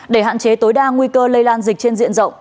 để hạn chế tối đa nguy cơ lây lan dịch trên diện rộng